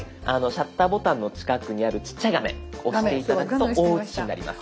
シャッターボタンの近くにあるちっちゃい画面押して頂くと大写しになります。